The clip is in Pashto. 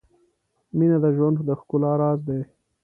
• مینه د ژوند د ښکلا راز دی.